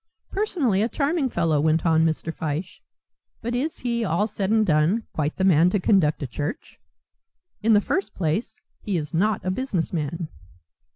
"Personally a charming fellow," went on Mr. Fyshe; "but is he, all said and done, quite the man to conduct a church? In the first place, he is not a businessman."